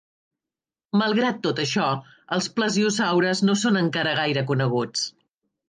Malgrat tot això, els plesiosaures no són encara gaire coneguts.